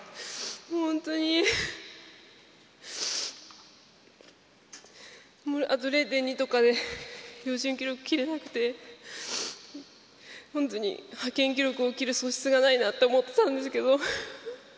本当にあと０．２とかで標準記録切れなくて本当に派遣記録を切る素質がないなと思っていたんですけど。